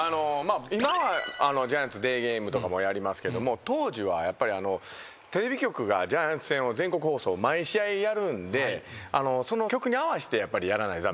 今はジャイアンツデーゲームとかもやりますけども当時はやっぱりテレビ局がジャイアンツ戦を全国放送毎試合やるんでその局に合わせてやらないと駄目なんですよ。